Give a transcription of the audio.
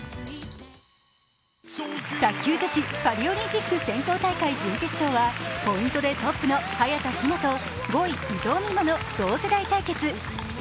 卓球女子パリオリンピック選考大会準決勝はポイントでトップの早田ひなと５位・伊藤美誠の同世代対決。